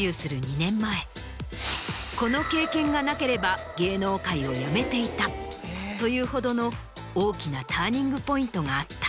「この経験がなければ」。というほどの大きなターニングポイントがあった。